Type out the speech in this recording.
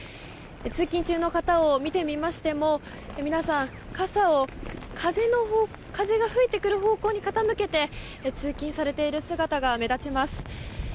通勤中の方を見てみましても皆さん、傘を風が吹いてくる方向に傾けて、通勤されている姿が目立ちます。